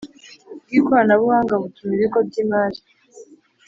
Bw ikoranabuhanga butuma ibigo by imari